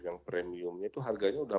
yang premiumnya itu harganya udah